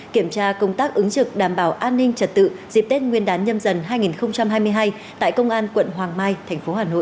kiểm tra công tác ứng trực đảm bảo an ninh trật tự dịp tết nguyên đán nhân dân hai nghìn hai mươi hai tại công an quận hoàng mai tp hà nội